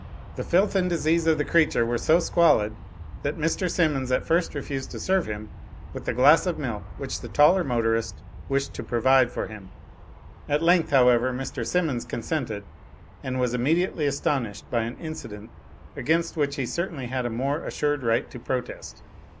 The filth and disease of the creature were so squalid that Mr. Simmons at first refused to serve him with the glass of milk which the taller motorist wished to pro vide for him. At length, however, Mr. Simmons consented, and was immediately astonished by an incident against which he certainly had a more assured right to protest.